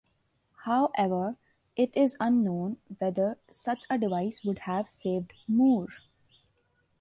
However, it is unknown whether such a device would have saved Moore.